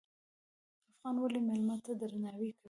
افغانان ولې میلمه ته درناوی کوي؟